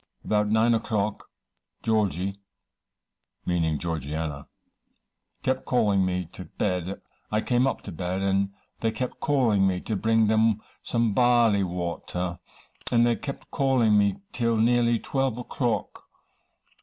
About nine o'clock, Georgy (meaning Georgianna) kept calling me to bed. I came up to bed, and they kept calling me to bring them some barley water, and they kept calling me till nearly 12 o'clock.